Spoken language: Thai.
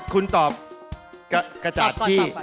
คุณตอบกระจาดที่